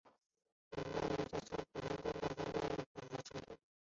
格林纳达同样遭受中等程度破坏。